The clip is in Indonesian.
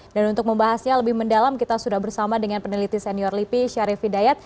dan untuk membahasnya lebih mendalam kita sudah bersama dengan peneliti senior lipi syarif hidayat